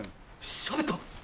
しゃべった。